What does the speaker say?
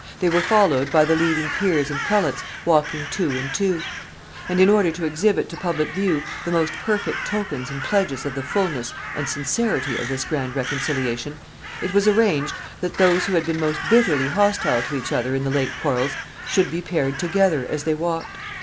They were followed by the leading peers and prelates walking two and two; and, in order to exhibit to public view the most perfect tokens and pledges of the fullness and sincerity of this grand reconciliation, it was arranged that those who had been most bitterly hostile to each other in the late quarrels should be paired together as they walked.